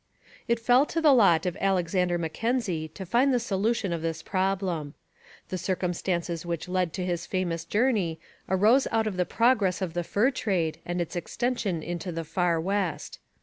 It fell to the lot of Alexander Mackenzie to find the solution of this problem. The circumstances which led to his famous journey arose out of the progress of the fur trade and its extension into the Far West.